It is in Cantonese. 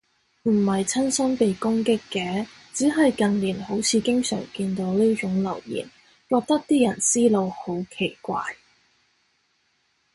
唔係親身被攻擊嘅，只係近年好似經常見到呢種留言，覺得啲人思路好奇怪